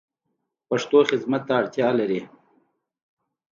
پښتو خدمت ته اړتیا لری